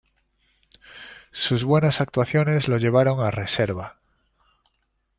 Sus buenas actuaciones lo llevaron a Reserva.